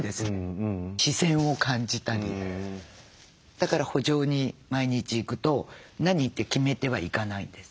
だから圃場に毎日行くと何って決めては行かないんです。